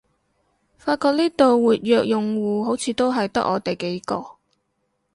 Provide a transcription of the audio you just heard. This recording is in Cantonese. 發覺呢度活躍用戶好似都係得我哋幾個